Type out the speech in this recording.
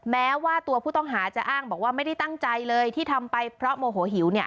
แม้ว่าตัวผู้ต้องหาจะอ้างบอกว่าไม่ได้ตั้งใจเลยที่ทำไปเพราะโมโหหิวเนี่ย